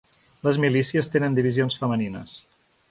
Les milícies tenen divisions femenines.